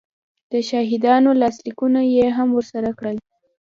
د شاهدانو لاسلیکونه یې هم ورسره کړل